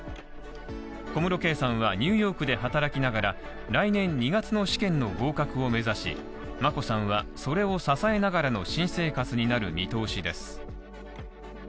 小室圭さんはニューヨークで働きながら来年２月の試験の合格を目指し眞子さんは、それを支えながらの新生活になる見通しです。